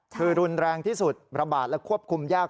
คือรุนแรงที่สุดระบาดและควบคุมยาก